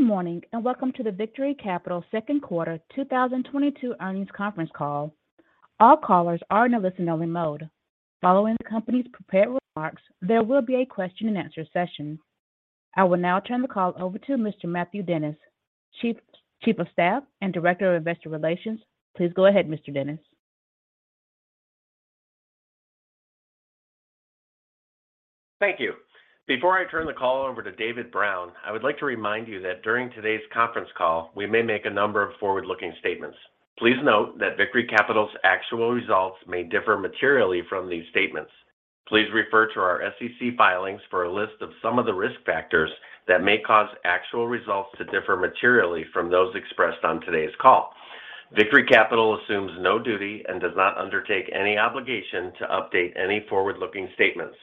Good morning, and welcome to the Victory Capital second quarter 2022 earnings conference call. All callers are in a listen-only mode. Following the company's prepared remarks, there will be a question-and-answer session. I will now turn the call over to Mr. Matthew Dennis, Chief of Staff and Director of Investor Relations. Please go ahead, Mr. Dennis. Thank you. Before I turn the call over to David Brown, I would like to remind you that during today's conference call, we may make a number of forward-looking statements. Please note that Victory Capital's actual results may differ materially from these statements. Please refer to our SEC filings for a list of some of the risk factors that may cause actual results to differ materially from those expressed on today's call. Victory Capital assumes no duty and does not undertake any obligation to update any forward-looking statements.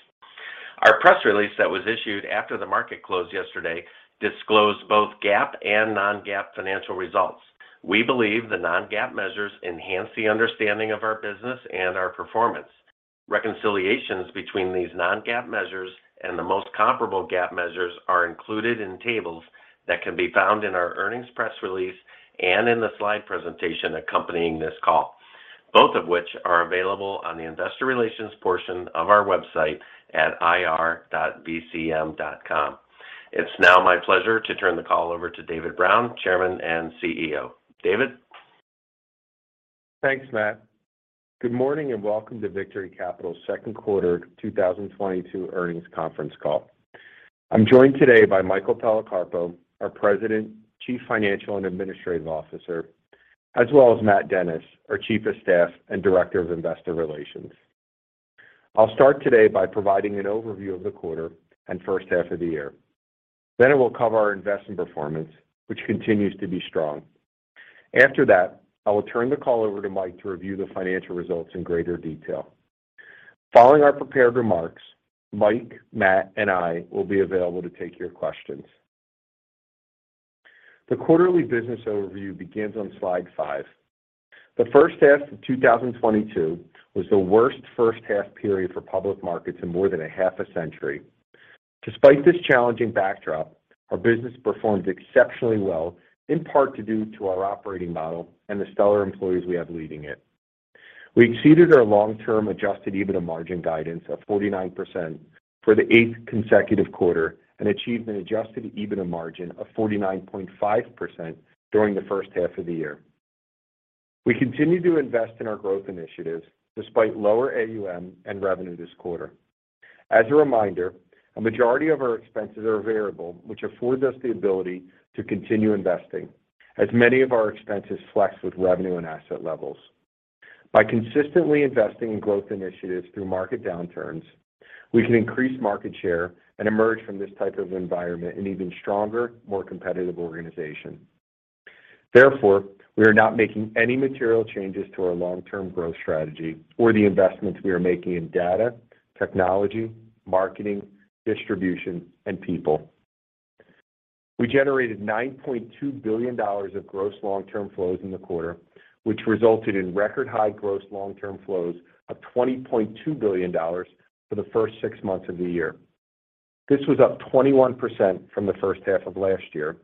Our press release that was issued after the market closed yesterday disclosed both GAAP and non-GAAP financial results. We believe the non-GAAP measures enhance the understanding of our business and our performance. Reconciliations between these non-GAAP measures and the most comparable GAAP measures are included in tables that can be found in our earnings press release and in the slide presentation accompanying this call, both of which are available on the investor relations portion of our website at ir.vcm.com. It's now my pleasure to turn the call over to David Brown, Chairman and CEO. David? Thanks, Matt. Good morning, and welcome to Victory Capital's second quarter 2022 earnings conference call. I'm joined today by Michael Policarpo, our President, Chief Financial and Administrative Officer, as well as Matt Dennis, our Chief of Staff and Director of Investor Relations. I'll start today by providing an overview of the quarter and first half of the year. I will cover our investment performance, which continues to be strong. After that, I will turn the call over to Mike to review the financial results in greater detail. Following our prepared remarks, Mike, Matt, and I will be available to take your questions. The quarterly business overview begins on slide five. The first half of 2022 was the worst first half period for public markets in more than a half a century. Despite this challenging backdrop, our business performed exceptionally well, in part due to our operating model and the stellar employees we have leading it. We exceeded our long-term adjusted EBITDA margin guidance of 49% for the eighth consecutive quarter and achieved an adjusted EBITDA margin of 49.5% during the first half of the year. We continue to invest in our growth initiatives despite lower AUM and revenue this quarter. As a reminder, a majority of our expenses are variable, which affords us the ability to continue investing as many of our expenses flex with revenue and asset levels. By consistently investing in growth initiatives through market downturns, we can increase market share and emerge from this type of environment an even stronger, more competitive organization. Therefore, we are not making any material changes to our long-term growth strategy or the investments we are making in data, technology, marketing, distribution, and people. We generated $9.2 billion of gross long-term flows in the quarter, which resulted in record high gross long-term flows of $20.2 billion for the first six months of the year. This was up 21% from the first half of last year,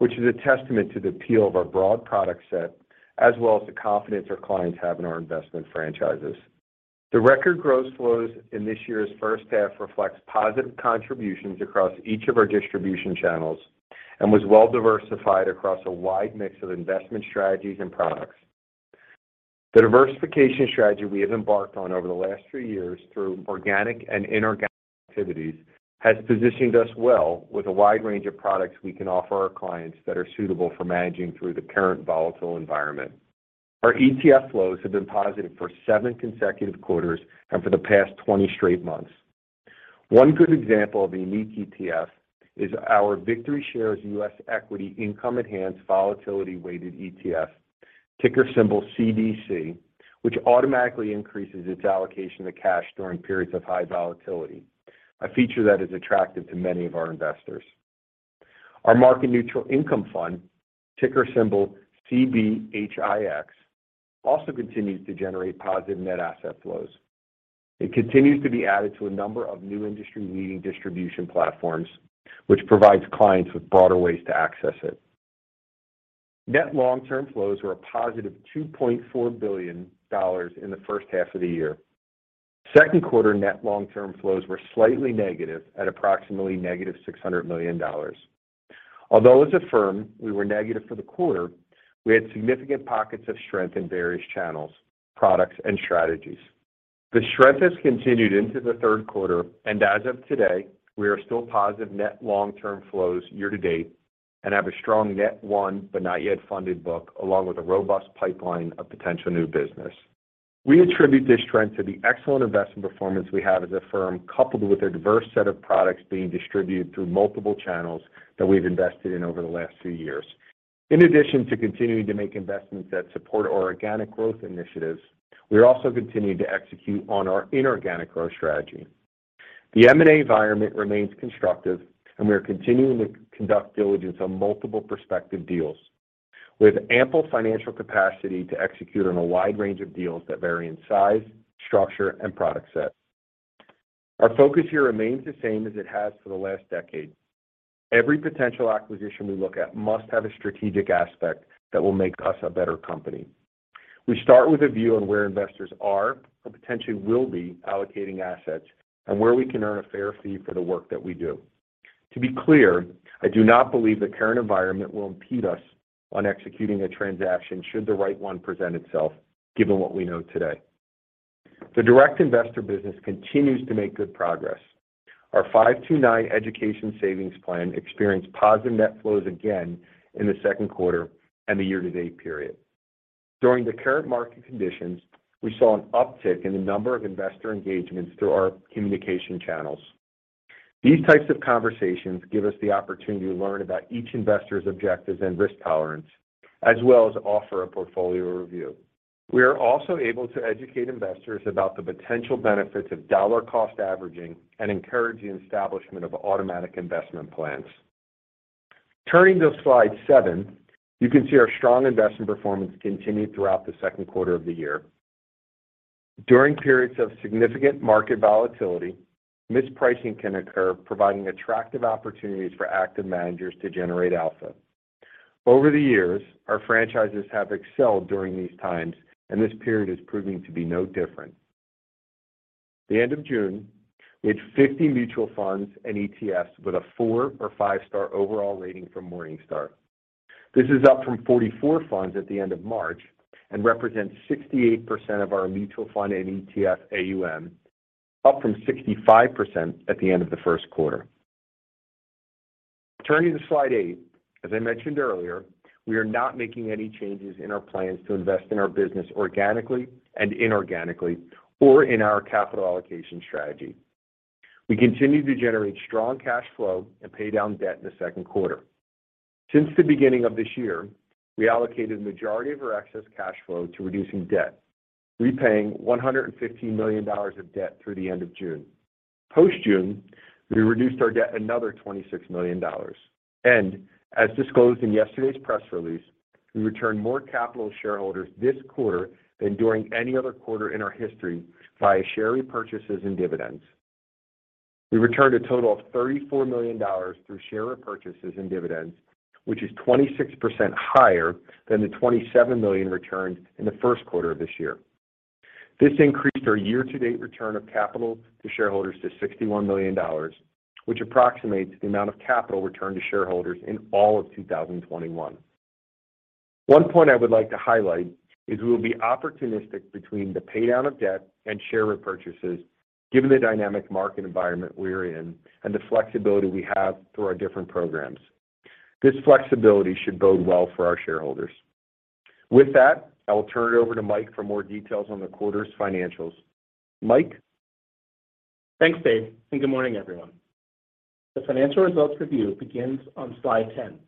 which is a testament to the appeal of our broad product set as well as the confidence our clients have in our investment franchises. The record gross flows in this year's first half reflects positive contributions across each of our distribution channels and was well-diversified across a wide mix of investment strategies and products. The diversification strategy we have embarked on over the last three years through organic and inorganic activities has positioned us well with a wide range of products we can offer our clients that are suitable for managing through the current volatile environment. Our ETF flows have been positive for seven consecutive quarters and for the past 20 straight months. One good example of a unique ETF is our VictoryShares US Equity Income Enhanced Volatility Weighted ETF, ticker symbol CDC, which automatically increases its allocation to cash during periods of high volatility, a feature that is attractive to many of our investors. Our Market Neutral Income Fund, ticker symbol CBHIX, also continues to generate positive net asset flows. It continues to be added to a number of new industry-leading distribution platforms, which provides clients with broader ways to access it. Net long-term flows were a positive $2.4 billion in the first half of the year. Second quarter net long-term flows were slightly negative at approximately -$600 million. Although as a firm we were negative for the quarter, we had significant pockets of strength in various channels, products, and strategies. The strength has continued into the third quarter, and as of today, we are still positive net long-term flows year to date and have a strong net won, but not yet funded book, along with a robust pipeline of potential new business. We attribute this trend to the excellent investment performance we have as a firm, coupled with a diverse set of products being distributed through multiple channels that we've invested in over the last few years. In addition to continuing to make investments that support our organic growth initiatives, we are also continuing to execute on our inorganic growth strategy. The M&A environment remains constructive, and we are continuing to conduct diligence on multiple prospective deals with ample financial capacity to execute on a wide range of deals that vary in size, structure, and product set. Our focus here remains the same as it has for the last decade. Every potential acquisition we look at must have a strategic aspect that will make us a better company. We start with a view on where investors are or potentially will be allocating assets and where we can earn a fair fee for the work that we do. To be clear, I do not believe the current environment will impede us on executing a transaction should the right one present itself, given what we know today. The direct investor business continues to make good progress. Our 529 education savings plan experienced positive net flows again in the second quarter and the year-to-date period. During the current market conditions, we saw an uptick in the number of investor engagements through our communication channels. These types of conversations give us the opportunity to learn about each investor's objectives and risk tolerance, as well as offer a portfolio review. We are also able to educate investors about the potential benefits of dollar cost averaging and encourage the establishment of automatic investment plans. Turning to slide seven, you can see our strong investment performance continued throughout the second quarter of the year. During periods of significant market volatility, mispricing can occur, providing attractive opportunities for active managers to generate alpha. Over the years, our franchises have excelled during these times, and this period is proving to be no different. At the end of June, we had 50 mutual funds and ETFs with a 4- or 5-star overall rating from Morningstar. This is up from 44 funds at the end of March and represents 68% of our mutual fund and ETF AUM, up from 65% at the end of the first quarter. Turning to slide eight, as I mentioned earlier, we are not making any changes in our plans to invest in our business organically and inorganically or in our capital allocation strategy. We continue to generate strong cash flow and pay down debt in the second quarter. Since the beginning of this year, we allocated the majority of our excess cash flow to reducing debt, repaying $115 million of debt through the end of June. Post-June, we reduced our debt another $26 million. As disclosed in yesterday's press release, we returned more capital to shareholders this quarter than during any other quarter in our history via share repurchases and dividends. We returned a total of $34 million through share repurchases and dividends, which is 26% higher than the $27 million returned in the first quarter of this year. This increased our year-to-date return of capital to shareholders to $61 million, which approximates the amount of capital returned to shareholders in all of 2021. One point I would like to highlight is we will be opportunistic between the paydown of debt and share repurchases given the dynamic market environment we're in and the flexibility we have through our different programs. This flexibility should bode well for our shareholders. With that, I will turn it over to Mike for more details on the quarter's financials. Mike. Thanks, Dave, and good morning, everyone. The financial results review begins on slide 10.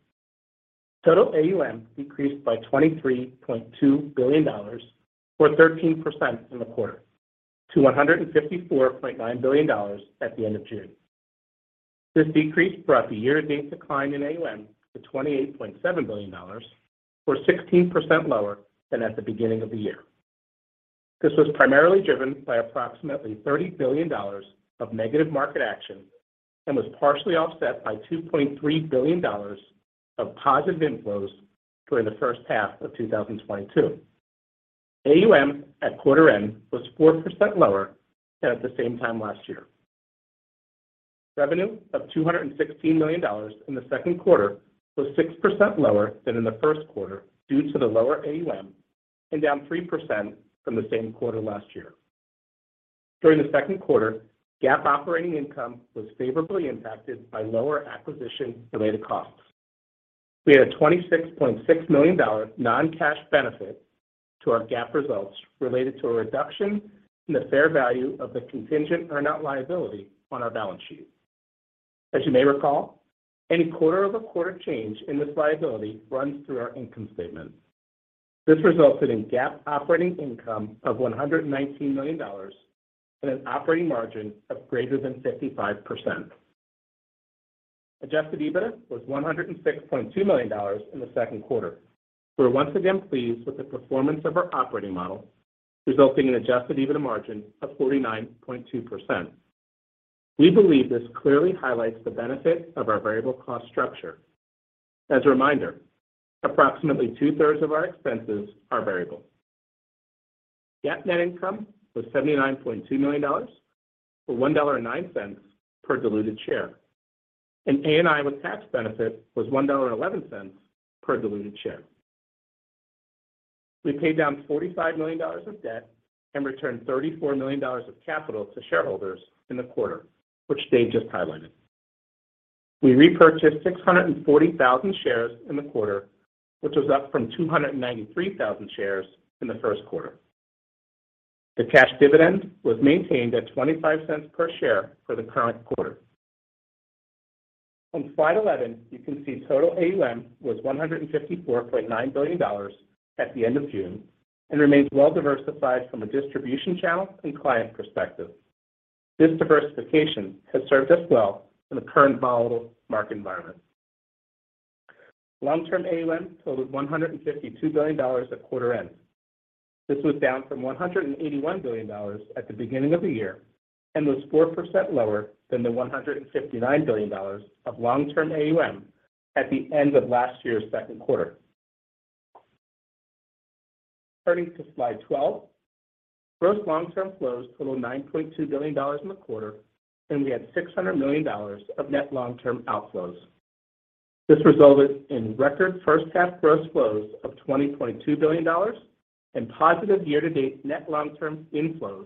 Total AUM decreased by $23.2 billion or 13% in the quarter to $154.9 billion at the end of June. This decrease brought the year-to-date decline in AUM to $28.7 billion or 16% lower than at the beginning of the year. This was primarily driven by approximately $30 billion of negative market action and was partially offset by $2.3 billion of positive inflows during the first half of 2022. AUM at quarter end was 4% lower than at the same time last year. Revenue of $216 million in the second quarter was 6% lower than in the first quarter due to the lower AUM and down 3% from the same quarter last year. During the second quarter, GAAP operating income was favorably impacted by lower acquisition-related costs. We had a $26.6 million non-cash benefit to our GAAP results related to a reduction in the fair value of the contingent earnout liability on our balance sheet. As you may recall, any quarter-over-quarter change in this liability runs through our income statement. This resulted in GAAP operating income of $119 million and an operating margin of greater than 55%. Adjusted EBITDA was $106.2 million in the second quarter. We're once again pleased with the performance of our operating model, resulting in adjusted EBITDA margin of 49.2%. We believe this clearly highlights the benefit of our variable cost structure. As a reminder, approximately 2/3 of our expenses are variable. GAAP net income was $79.2 million, or $1.09 per diluted share, and ANI with tax benefit was $1.11 per diluted share. We paid down $45 million of debt and returned $34 million of capital to shareholders in the quarter, which Dave just highlighted. We repurchased 640,000 shares in the quarter, which was up from 293,000 shares in the first quarter. The cash dividend was maintained at $0.25 per share for the current quarter. On slide 11, you can see total AUM was $154.9 billion at the end of June and remains well-diversified from a distribution channel and client perspective. This diversification has served us well in the current volatile market environment. Long-term AUM totaled $152 billion at quarter end. This was down from $181 billion at the beginning of the year, and was 4% lower than the $159 billion of long-term AUM at the end of last year's second quarter. Turning to slide 12. Gross long-term flows totaled $9.2 billion in the quarter, and we had $600 million of net long-term outflows. This resulted in record first half gross flows of $20.2 billion and positive year-to-date net long-term inflows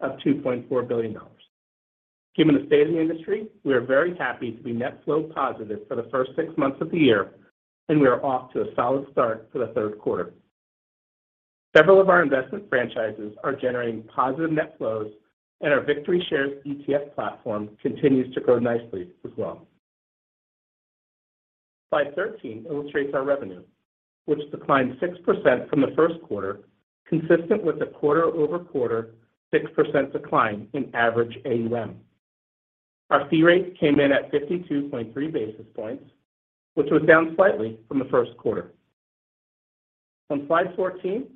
of $2.4 billion. Given the state of the industry, we are very happy to be net flow positive for the first six months of the year, and we are off to a solid start for the third quarter. Several of our investment franchises are generating positive net flows, and our VictoryShares ETF platform continues to grow nicely as well. Slide 13 illustrates our revenue, which declined 6% from the first quarter, consistent with a quarter-over-quarter 6% decline in average AUM. Our fee rates came in at 52.3 basis points, which was down slightly from the first quarter. On Slide 14,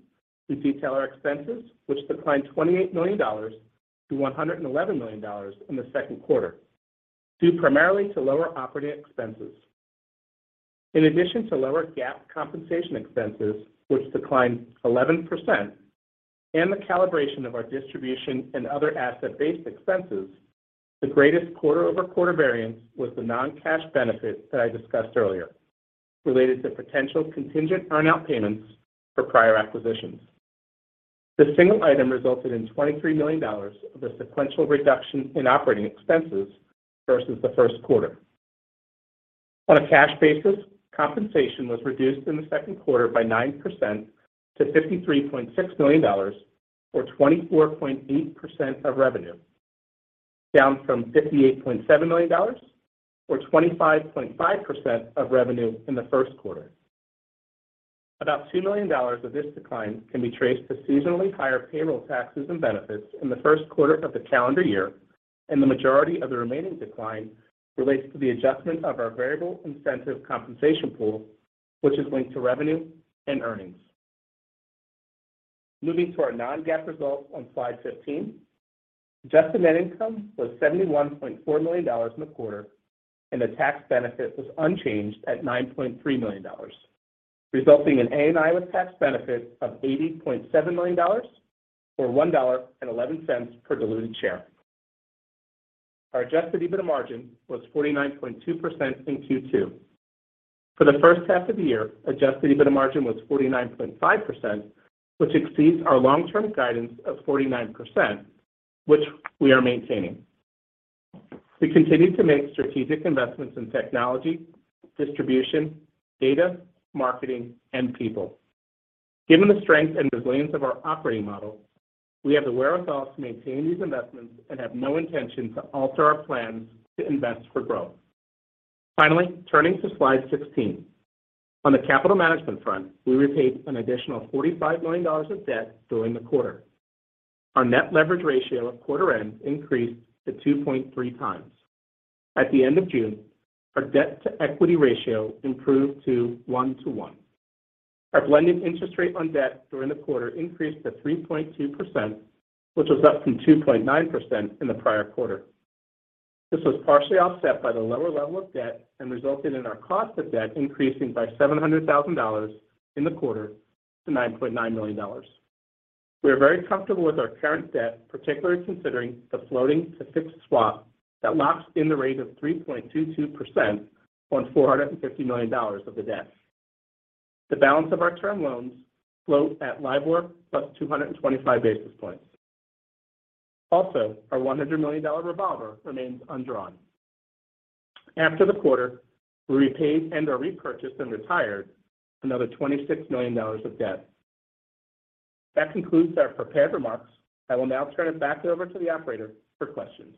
we detail our expenses, which declined $28 million to $111 million in the second quarter, due primarily to lower operating expenses. In addition to lower GAAP compensation expenses, which declined 11%, and the calibration of our distribution and other asset-based expenses, the greatest quarter-over-quarter variance was the non-cash benefit that I discussed earlier related to potential contingent earn-out payments for prior acquisitions. This single item resulted in $23 million of a sequential reduction in operating expenses versus the first quarter. On a cash basis, compensation was reduced in the second quarter by 9% to $53.6 million or 24.8% of revenue, down from $58.7 million or 25.5% of revenue in the first quarter. About $2 million of this decline can be traced to seasonally higher payroll taxes and benefits in the first quarter of the calendar year, and the majority of the remaining decline relates to the adjustment of our variable incentive compensation pool, which is linked to revenue and earnings. Moving to our non-GAAP results on slide 15. Adjusted net income was $71.4 million in the quarter, and the tax benefit was unchanged at $9.3 million, resulting in ANI with tax benefit of $80.7 million or $1.11 per diluted share. Our adjusted EBITDA margin was 49.2% in Q2. For the first half of the year, adjusted EBITDA margin was 49.5%, which exceeds our long-term guidance of 49%, which we are maintaining. We continue to make strategic investments in technology, distribution, data, marketing, and people. Given the strength and resilience of our operating model, we have the wherewithal to maintain these investments and have no intention to alter our plans to invest for growth. Finally, turning to slide 16. On the capital management front, we repaid an additional $45 million of debt during the quarter. Our net leverage ratio at quarter end increased to 2.3x. At the end of June, our debt-to-equity ratio improved to 1:1. Our blended interest rate on debt during the quarter increased to 3.2%, which was up from 2.9% in the prior quarter. This was partially offset by the lower level of debt and resulted in our cost of debt increasing by $700,000 in the quarter to $9.9 million. We are very comfortable with our current debt, particularly considering the floating-to-fixed swap that locks in the rate of 3.22% on $450 million of the debt. The balance of our term loans float at LIBOR plus 225 basis points. Also, our $100 million revolver remains undrawn. After the quarter, we repaid and/or repurchased and retired another $26 million of debt. That concludes our prepared remarks. I will now turn it back over to the operator for questions.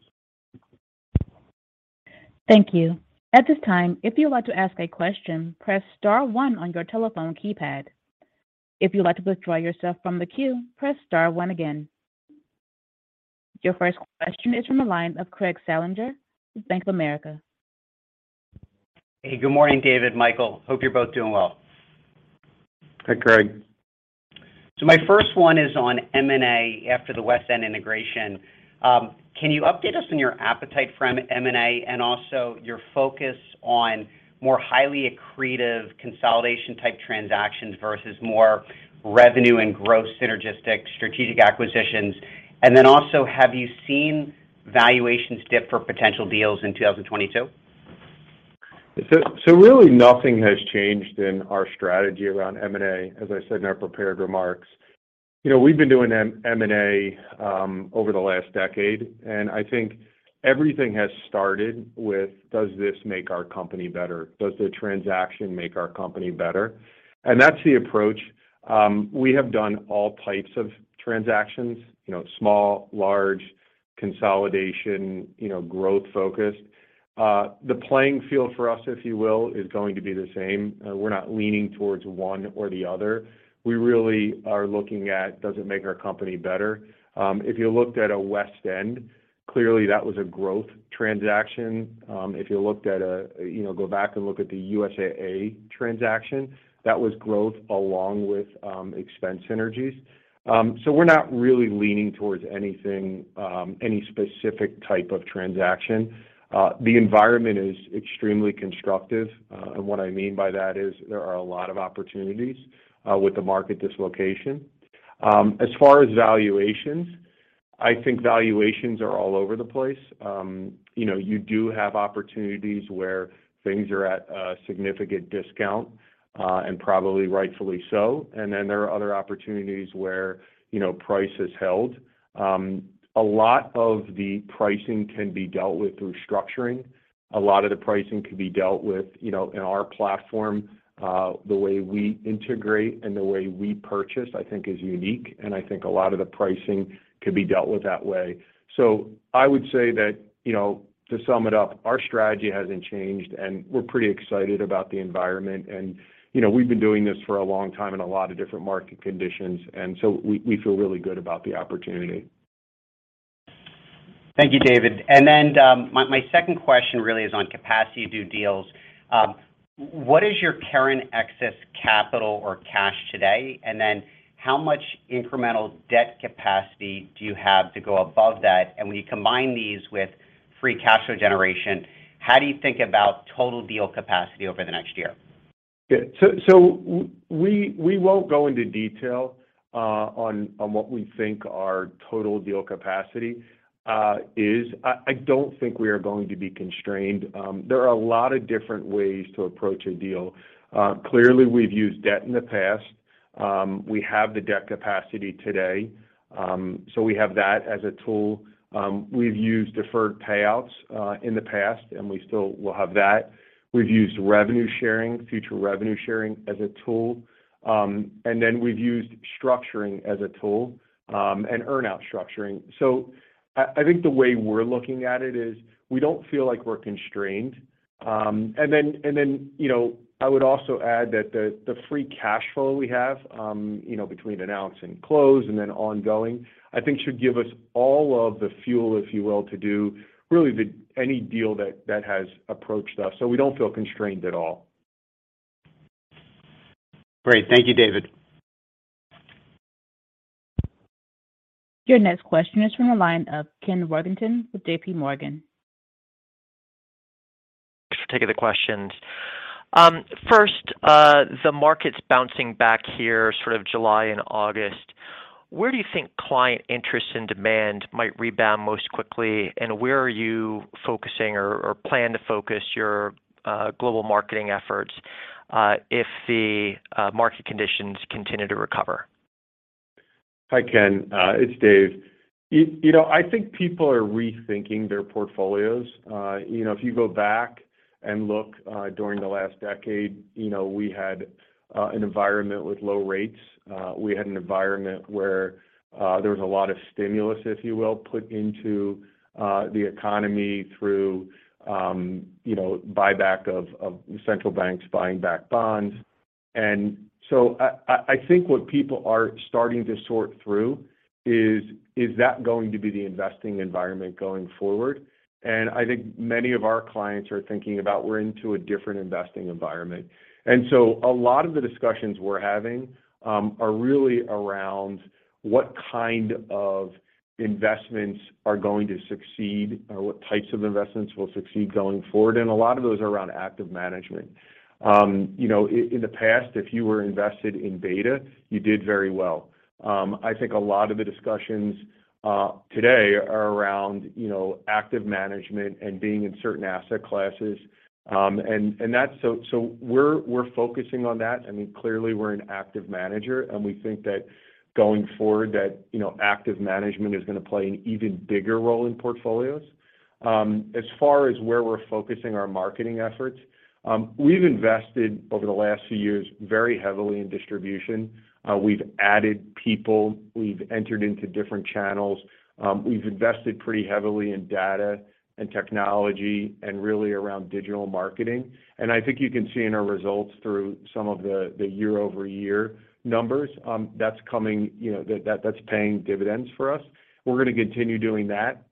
Thank you. At this time, if you would like to ask a question, press star one on your telephone keypad. If you would like to withdraw yourself from the queue, press star one again. Your first question is from the line of Craig Salinger from Bank of America. Hey, good morning, David, Michael. Hope you're both doing well. Hey, Craig. My first one is on M&A after the WestEnd Advisors integration. Can you update us on your appetite for M&A and also your focus on more highly accretive consolidation type transactions versus more revenue and growth synergistic strategic acquisitions? Also have you seen valuations dip for potential deals in 2022? Really nothing has changed in our strategy around M&A. As I said in our prepared remarks, you know, we've been doing M&A over the last decade. I think everything has started with, "Does this make our company better? Does the transaction make our company better?" That's the approach. We have done all types of transactions, you know, small, large. Consolidation, you know, growth-focused. The playing field for us, if you will, is going to be the same. We're not leaning towards one or the other. We really are looking at," Does it make our company better?" If you looked at WestEnd Advisors, clearly that was a growth transaction. You know, go back and look at the USAA transaction, that was growth along with expense synergies. We're not really leaning towards anything, any specific type of transaction. The environment is extremely constructive. What I mean by that is there are a lot of opportunities with the market dislocation. As far as valuations, I think valuations are all over the place. You know, you do have opportunities where things are at a significant discount, and probably rightfully so. Then there are other opportunities where, you know, price is held. A lot of the pricing can be dealt with through structuring. A lot of the pricing could be dealt with, you know, in our platform, the way we integrate and the way we purchase, I think is unique, and I think a lot of the pricing could be dealt with that way. I would say that, you know, to sum it up, our strategy hasn't changed, and we're pretty excited about the environment and, you know, we've been doing this for a long time in a lot of different market conditions, and so we feel really good about the opportunity. Thank you, David. My second question really is on capacity to do deals. What is your current excess capital or cash today? How much incremental debt capacity do you have to go above that? When you combine these with free cash flow generation, how do you think about total deal capacity over the next year? Yeah. We won't go into detail on what we think our total deal capacity is. I don't think we are going to be constrained. There are a lot of different ways to approach a deal. Clearly, we've used debt in the past. We have the debt capacity today, so we have that as a tool. We've used deferred payouts in the past, and we still will have that. We've used revenue sharing, future revenue sharing as a tool. Then we've used structuring as a tool, and earn-out structuring. I think the way we're looking at it is we don't feel like we're constrained. I would also add that the free cash flow we have, you know, between announce and close and then ongoing, I think should give us all of the fuel, if you will, to do really any deal that has approached us. We don't feel constrained at all. Great. Thank you, David. Your next question is from the line of Ken Worthington with JPMorgan. Thanks for taking the questions. First, the market's bouncing back here sort of July and August. Where do you think client interest and demand might rebound most quickly, and where are you focusing or plan to focus your global marketing efforts, if the market conditions continue to recover? Hi, Ken, it's Dave. You know, I think people are rethinking their portfolios. You know, if you go back and look during the last decade, you know, we had an environment with low rates. We had an environment where there was a lot of stimulus, if you will, put into the economy through, you know, buyback of central banks buying back bonds. I think what people are starting to sort through is that going to be the investing environment going forward? I think many of our clients are thinking about we're into a different investing environment. A lot of the discussions we're having are really around what kind of investments are going to succeed or what types of investments will succeed going forward, and a lot of those are around active management. You know, in the past, if you were invested in beta, you did very well. I think a lot of the discussions today are around, you know, active management and being in certain asset classes. We're focusing on that. I mean, clearly we're an active manager, and we think that going forward, you know, active management is gonna play an even bigger role in portfolios. As far as where we're focusing our marketing efforts, we've invested over the last few years very heavily in distribution. We've added people. We've entered into different channels. We've invested pretty heavily in data and technology and really around digital marketing. I think you can see in our results through some of the year-over-year numbers, that's coming, you know, that's paying dividends for us. We're gonna continue doing that.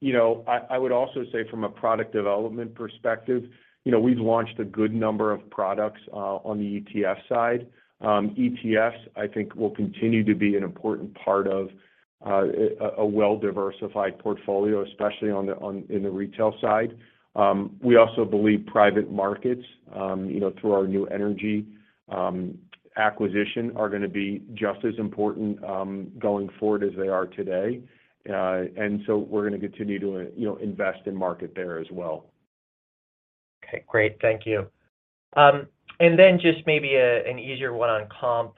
You know, I would also say from a product development perspective, you know, we've launched a good number of products on the ETF side. ETFs, I think will continue to be an important part of a well-diversified portfolio, especially in the retail side. We also believe private markets, you know, through our New Energy Capital acquisition, are gonna be just as important going forward as they are today. We're gonna continue to, you know, invest in markets there as well. Okay, great. Thank you. Just maybe an easier one on comp.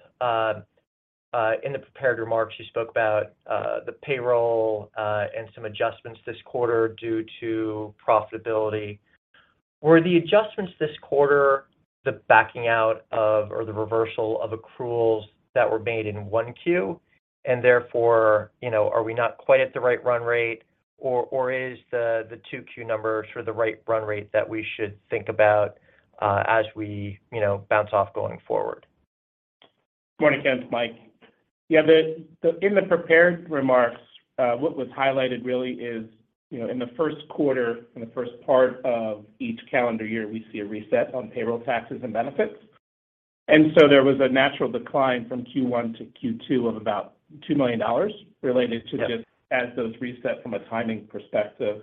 In the prepared remarks, you spoke about the payroll and some adjustments this quarter due to profitability. Were the adjustments this quarter the backing out of or the reversal of accruals that were made in 1Q, and therefore, you know, are we not quite at the right run rate or is the 2Q numbers for the right run rate that we should think about as we, you know, base off going forward? Good morning, Ken. It's Mike. Yeah. In the prepared remarks, what was highlighted really is, you know, in the first quarter, in the first part of each calendar year, we see a reset on payroll taxes and benefits. There was a natural decline from Q1 to Q2 of about $2 million related to- Yep. just as those reset from a timing perspective.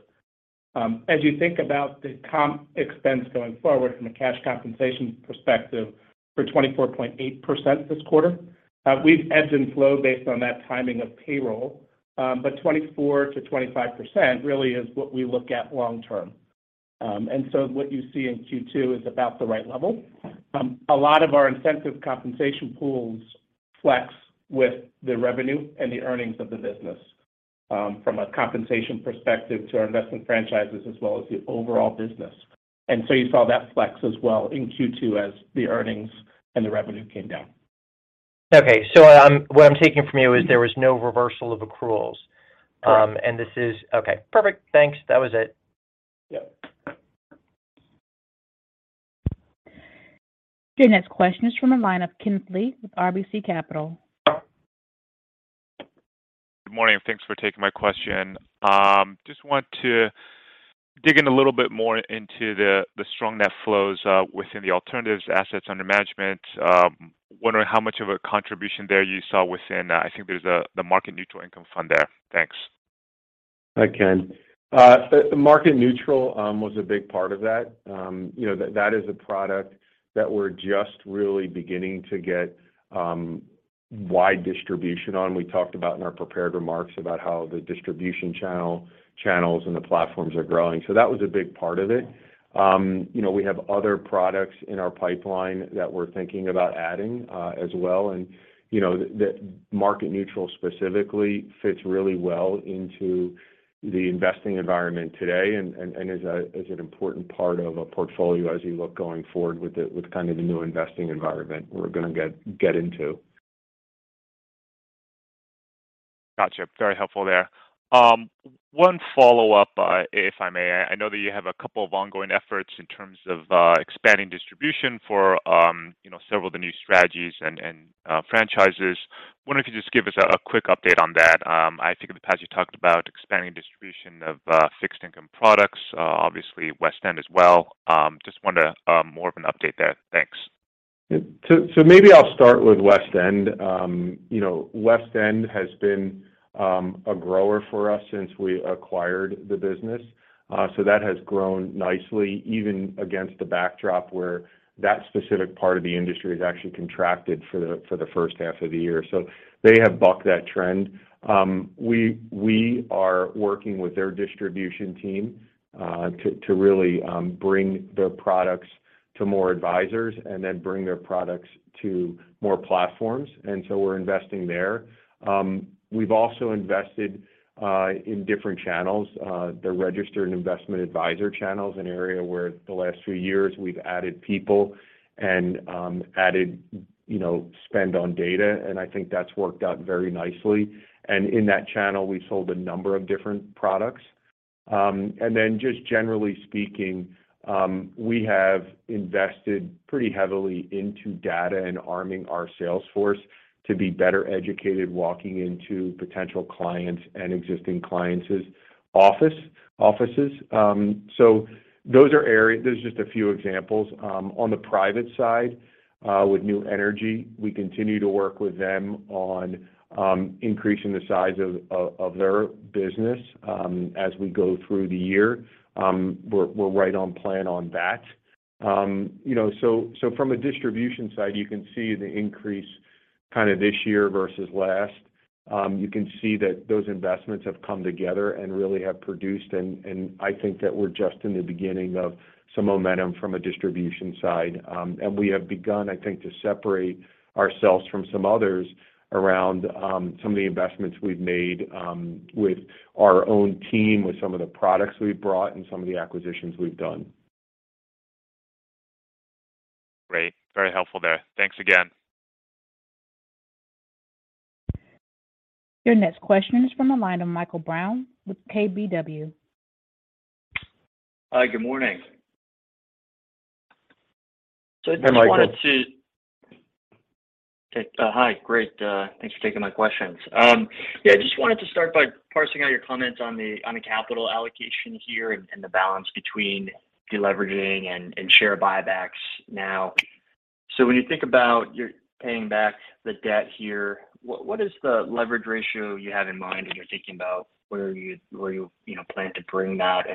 As you think about the comp expense going forward from a cash compensation perspective for 24.8% this quarter, we've ebbed and flowed based on that timing of payroll. 24%-25% really is what we look at long term. What you see in Q2 is about the right level. A lot of our incentive compensation pools flex with the revenue and the earnings of the business, from a compensation perspective to our investment franchises as well as the overall business. You saw that flex as well in Q2 as the earnings and the revenue came down. Okay. What I'm taking from you is there was no reversal of accruals. Correct. Okay, perfect. Thanks. That was it. Yep. Your next question is from the line of Ken Lee with RBC Capital. Good morning, and thanks for taking my question. Just want to dig in a little bit more into the strong net flows within the alternatives assets under management. Wondering how much of a contribution there you saw within the Victory Market Neutral Income Fund. Thanks. Hi, Ken. The Market Neutral was a big part of that. You know, that is a product that we're just really beginning to get wide distribution on. We talked about in our prepared remarks about how the distribution channels and the platforms are growing. That was a big part of it. You know, we have other products in our pipeline that we're thinking about adding as well. You know, that Market Neutral specifically fits really well into the investing environment today and is an important part of a portfolio as we look going forward with kind of the new investing environment we're gonna get into. Gotcha. Very helpful there. One follow-up, if I may. I know that you have a couple of ongoing efforts in terms of expanding distribution for, you know, several of the new strategies and franchises. Wondering if you could just give us a quick update on that. I think in the past you talked about expanding distribution of fixed income products, obviously WestEnd Advisors as well. Just wanted more of an update there. Thanks. Maybe I'll start with WestEnd. You know, WestEnd has been a grower for us since we acquired the business. That has grown nicely even against the backdrop where that specific part of the industry has actually contracted for the first half of the year. They have bucked that trend. We are working with their distribution team to really bring their products to more advisors and then bring their products to more platforms. We're investing there. We've also invested in different channels. The registered investment advisor channel is an area where the last few years we've added people and added, you know, spend on data, and I think that's worked out very nicely. In that channel, we sold a number of different products. Just generally speaking, we have invested pretty heavily into data and arming our sales force to be better educated walking into potential clients' and existing clients' offices. Those are areas. There's just a few examples. On the private side, with New Energy, we continue to work with them on increasing the size of their business as we go through the year. We're right on plan on that. You know, from a distribution side, you can see the increase kinda this year versus last. You can see that those investments have come together and really have produced, and I think that we're just in the beginning of some momentum from a distribution side. We have begun, I think, to separate ourselves from some others around some of the investments we've made with our own team, with some of the products we've brought, and some of the acquisitions we've done. Great. Very helpful there. Thanks again. Your next question is from the line of Michael Brown with KBW. Hi, good morning. Hey, Michael. Thanks for taking my questions. Yeah, just wanted to start by parsing out your comments on the capital allocation here and the balance between deleveraging and share buybacks now. When you think about you're paying back the debt here, what is the leverage ratio you have in mind as you're thinking about where you know, plan to bring that?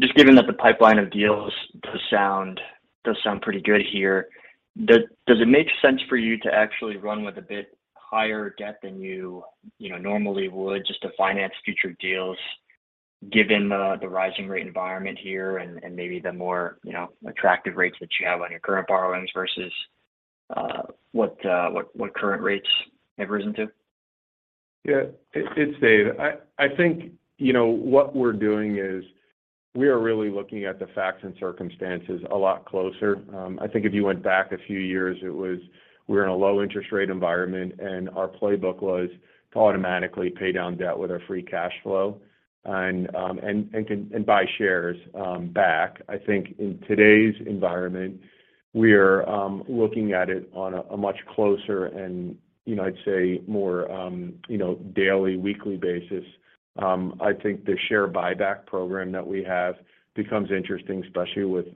Just given that the pipeline of deals does sound pretty good here, does it make sense for you to actually run with a bit higher debt than you know normally would just to finance future deals given the rising rate environment here and maybe the more you know attractive rates that you have on your current borrowings versus what current rates have risen to? Yeah, it's Dave. I think, you know, what we're doing is we are really looking at the facts and circumstances a lot closer. I think if you went back a few years, it was we're in a low interest rate environment, and our playbook was to automatically pay down debt with our free cash flow and buy shares back. I think in today's environment, we're looking at it on a much closer and, you know, I'd say more, you know, daily, weekly basis. I think the share buyback program that we have becomes interesting, especially with,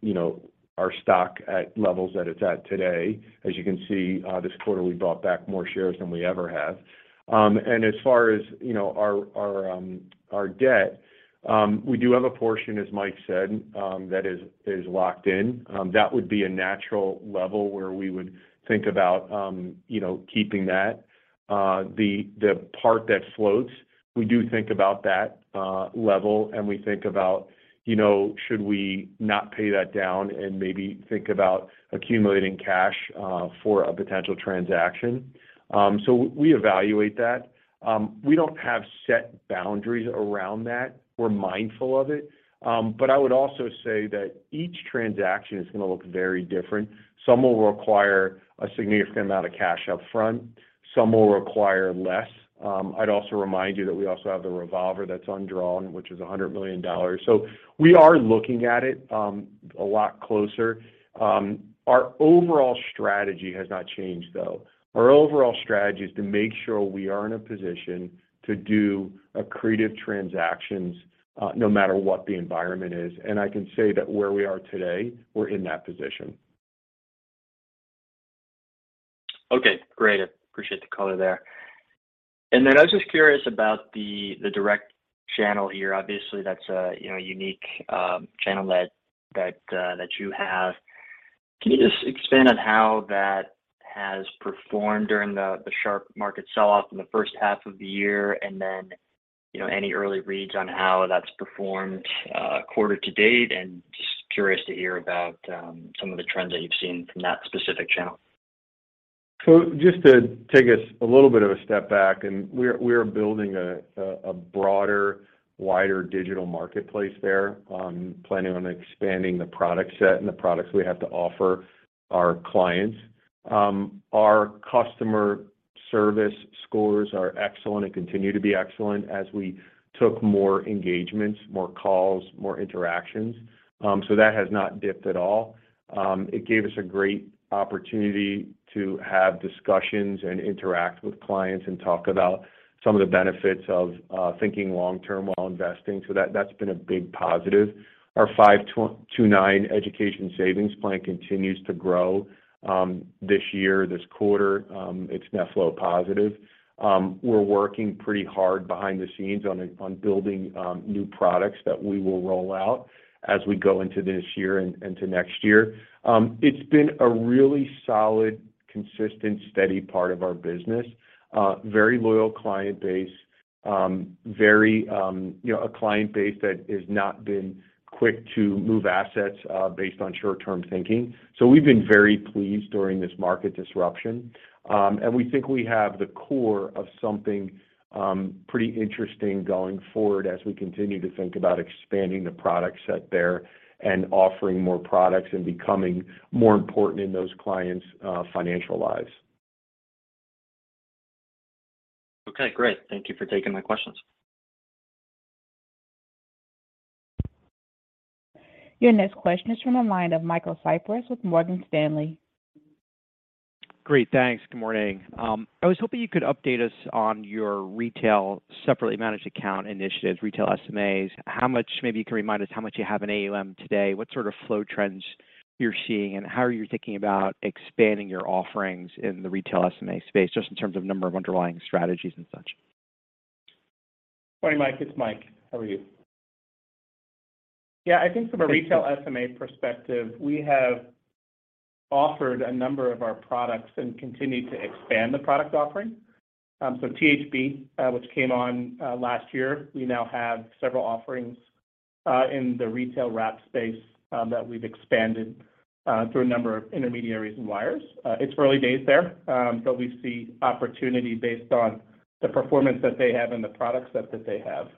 you know, our stock at levels that it's at today. As you can see, this quarter, we bought back more shares than we ever have. As far as, you know, our debt, we do have a portion, as Mike said, that is locked in. That would be a natural level where we would think about, you know, keeping that. The part that floats, we do think about that level, and we think about, you know, should we not pay that down and maybe think about accumulating cash for a potential transaction. We evaluate that. We don't have set boundaries around that. We're mindful of it. I would also say that each transaction is gonna look very different. Some will require a significant amount of cash up front, some will require less. I'd also remind you that we also have the revolver that's undrawn, which is $100 million. We are looking at it a lot closer. Our overall strategy has not changed, though. Our overall strategy is to make sure we are in a position to do accretive transactions no matter what the environment is. I can say that where we are today, we're in that position. Okay, great. I appreciate the color there. I was just curious about the direct channel here. Obviously, that's a you know unique channel that you have. Can you just expand on how that has performed during the sharp market sell-off in the first half of the year? You know, any early reads on how that's performed quarter to date? Just curious to hear about some of the trends that you've seen from that specific channel. Just to take us a little bit of a step back, and we're building a broader, wider digital marketplace there. Planning on expanding the product set and the products we have to offer our clients. Our customer service scores are excellent and continue to be excellent as we took more engagements, more calls, more interactions. That has not dipped at all. It gave us a great opportunity to have discussions and interact with clients and talk about some of the benefits of thinking long-term while investing. That's been a big positive. Our 529 education savings plan continues to grow this year, this quarter. It's net flow positive. We're working pretty hard behind the scenes on building new products that we will roll out as we go into this year and to next year. It's been a really solid, consistent, steady part of our business. Very loyal client base. Very, you know, a client base that has not been quick to move assets based on short-term thinking. We've been very pleased during this market disruption. We think we have the core of something pretty interesting going forward as we continue to think about expanding the product set there and offering more products and becoming more important in those clients' financial lives. Okay, great. Thank you for taking my questions. Your next question is from the line of Michael Cyprys with Morgan Stanley. Great, thanks. Good morning. I was hoping you could update us on your retail separately managed account initiatives, retail SMAs. Maybe you can remind us how much you have in AUM today, what sort of flow trends you're seeing, and how are you thinking about expanding your offerings in the retail SMA space, just in terms of number of underlying strategies and such. Morning, Mike. It's Mike. How are you? Yeah, I think from a retail SMA perspective, we have offered a number of our products and continued to expand the product offering. THB, which came on last year, we now have several offerings in the retail wrap space that we've expanded through a number of intermediaries and wires. It's early days there, but we see opportunity based on the performance that they have and the product set that they have.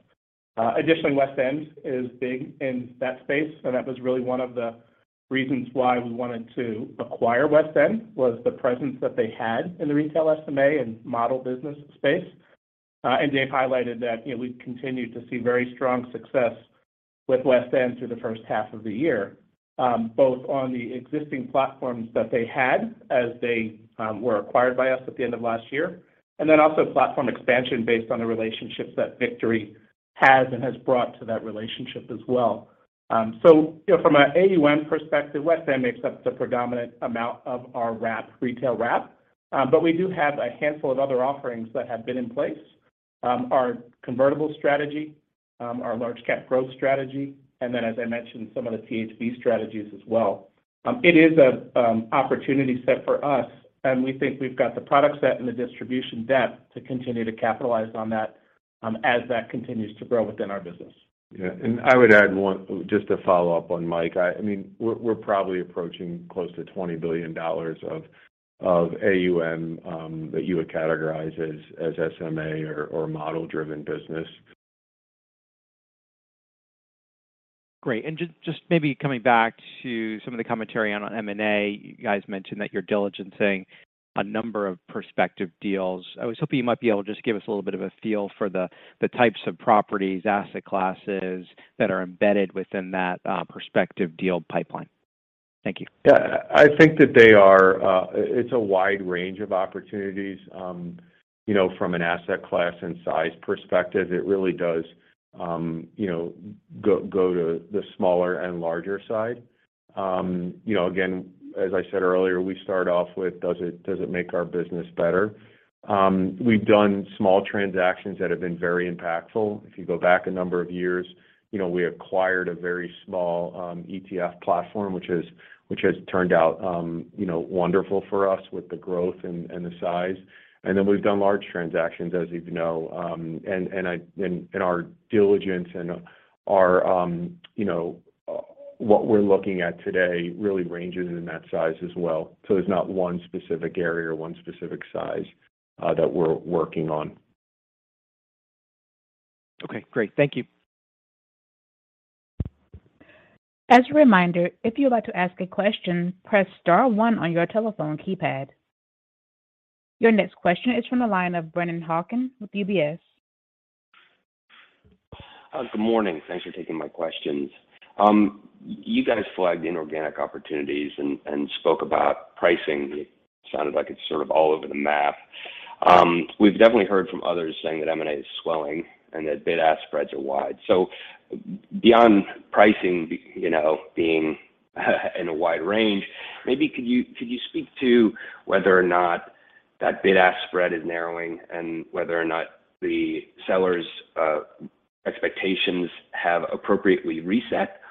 Additionally, WestEnd is big in that space, and that was really one of the reasons why we wanted to acquire WestEnd was the presence that they had in the retail SMA and model business space. Dave highlighted that, you know, we've continued to see very strong success with WestEnd through the first half of the year, both on the existing platforms that they had as they were acquired by us at the end of last year, and then also platform expansion based on the relationships that Victory has and has brought to that relationship as well. You know, from an AUM perspective, WestEnd makes up the predominant amount of our wrap, retail wrap. We do have a handful of other offerings that have been in place. Our convertible strategy, our large cap growth strategy, and then as I mentioned, some of the THB strategies as well. It is a opportunity set for us, and we think we've got the product set and the distribution depth to continue to capitalize on that. As that continues to grow within our business. Yeah. I would add one. Just to follow up on Mike. I mean, we're probably approaching close to $20 billion of AUM that you would categorize as SMA or model-driven business. Great. Just maybe coming back to some of the commentary on M&A. You guys mentioned that you're diligencing a number of prospective deals. I was hoping you might be able to just give us a little bit of a feel for the types of properties, asset classes that are embedded within that prospective deal pipeline. Thank you. Yeah. I think that it's a wide range of opportunities. You know, from an asset class and size perspective, it really does, you know, go to the smaller and larger side. You know, again, as I said earlier, we start off with does it make our business better? We've done small transactions that have been very impactful. If you go back a number of years, you know, we acquired a very small ETF platform, which has turned out, you know, wonderful for us with the growth and the size. We've done large transactions, as you know. Our diligence and our, you know, what we're looking at today really ranges in that size as well. There's not one specific area or one specific size that we're working on. Okay, great. Thank you. As a reminder, if you'd like to ask a question, press star one on your telephone keypad. Your next question is from the line of Brennan Hawken with UBS. Good morning. Thanks for taking my questions. You guys flagged inorganic opportunities and spoke about pricing. It sounded like it's sort of all over the map. We've definitely heard from others saying that M&A is slowing and that bid-ask spreads are wide. Beyond pricing, you know, being in a wide range, maybe could you speak to whether or not that bid-ask spread is narrowing and whether or not the sellers' expectations have appropriately reset?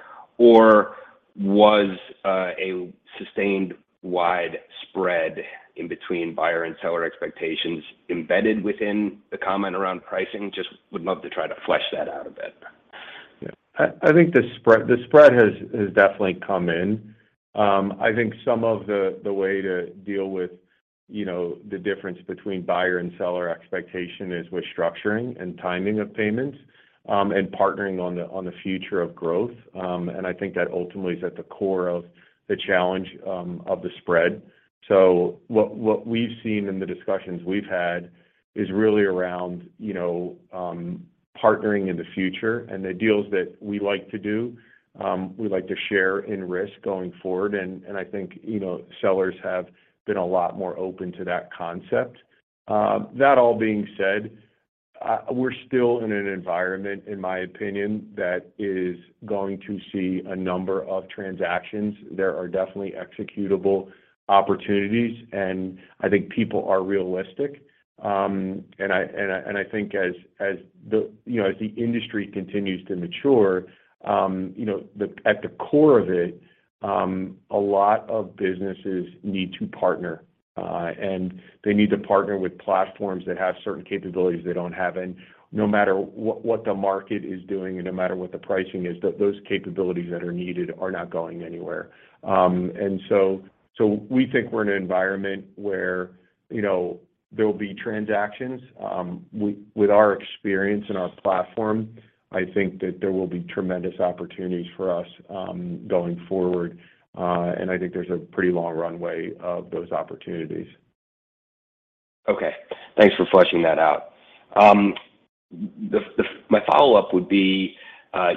Was a sustained wide spread in between buyer and seller expectations embedded within the comment around pricing? Just would love to try to flesh that out a bit. Yeah. I think the spread has definitely come in. I think some of the way to deal with, you know, the difference between buyer and seller expectation is with structuring and timing of payments, and partnering on the future of growth. I think that ultimately is at the core of the challenge of the spread. What we've seen in the discussions we've had is really around, you know, partnering in the future. The deals that we like to do, we like to share in risk going forward. I think, you know, sellers have been a lot more open to that concept. That all being said, we're still in an environment, in my opinion, that is going to see a number of transactions. There are definitely executable opportunities, and I think people are realistic. I think as the, you know, as the industry continues to mature, you know, at the core of it, a lot of businesses need to partner, and they need to partner with platforms that have certain capabilities they don't have. No matter what the market is doing and no matter what the pricing is, those capabilities that are needed are not going anywhere. We think we're in an environment where, you know, there will be transactions. With our experience and our platform, I think that there will be tremendous opportunities for us, going forward. I think there's a pretty long runway of those opportunities. Okay. Thanks for fleshing that out. My follow-up would be,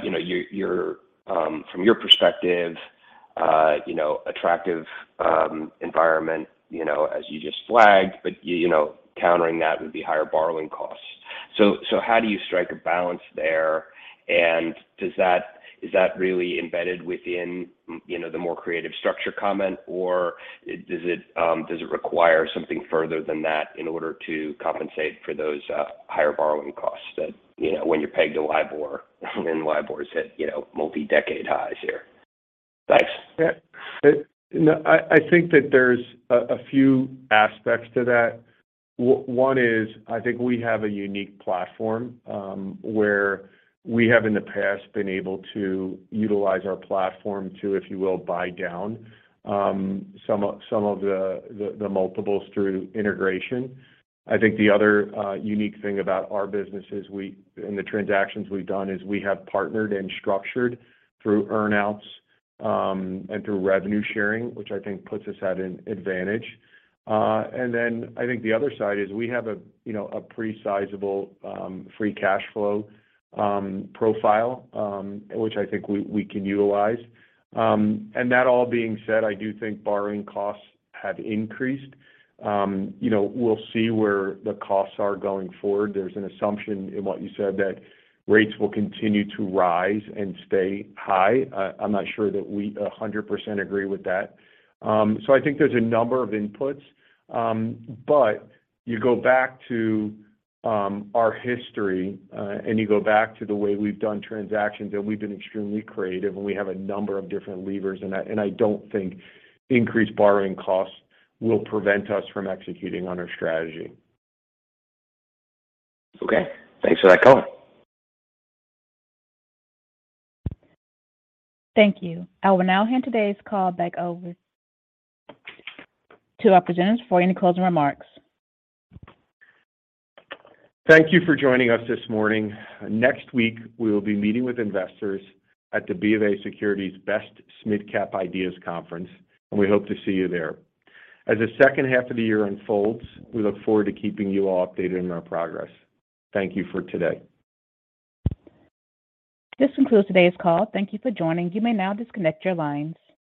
you know, your perspective, you know, attractive environment, you know, as you just flagged, but you know, countering that would be higher borrowing costs. How do you strike a balance there? Is that really embedded within, you know, the more creative structure comment, or does it require something further than that in order to compensate for those higher borrowing costs that, you know, when you're pegged to LIBOR and LIBOR is at, you know, multi-decade highs here? Thanks. Yeah. No, I think that there's a few aspects to that. One is, I think we have a unique platform, where we have in the past been able to utilize our platform to, if you will, buy down some of the multiples through integration. I think the other unique thing about our business is we and the transactions we've done is we have partnered and structured through earn-outs and through revenue sharing, which I think puts us at an advantage. Then I think the other side is we have a you know a pretty sizable free cash flow profile, which I think we can utilize. That all being said, I do think borrowing costs have increased. You know, we'll see where the costs are going forward. There's an assumption in what you said that rates will continue to rise and stay high. I'm not sure that we 100% agree with that. I think there's a number of inputs. You go back to our history, and you go back to the way we've done transactions, and we've been extremely creative, and we have a number of different levers. I don't think increased borrowing costs will prevent us from executing on our strategy. Okay. Thanks for that color. Thank you. I will now hand today's call back over to our presenters for any closing remarks. Thank you for joining us this morning. Next week, we will be meeting with investors at the BofA Securities SMID Cap Ideas Conference, and we hope to see you there. As the second half of the year unfolds, we look forward to keeping you all updated on our progress. Thank you for today. This concludes today's call. Thank you for joining. You may now disconnect your lines.